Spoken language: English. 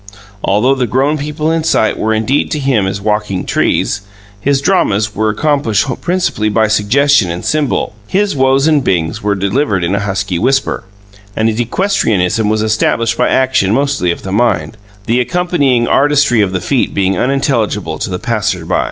Although the grown people in sight were indeed to him as walking trees, his dramas were accomplished principally by suggestion and symbol. His "Whoas" and "Bings" were delivered in a husky whisper, and his equestrianism was established by action mostly of the mind, the accompanying artistry of the feet being unintelligible to the passerby.